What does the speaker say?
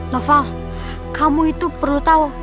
noval kamu itu perlu tahu